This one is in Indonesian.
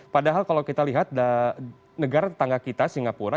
padahal kalau kita lihat negara tetangga kita singapura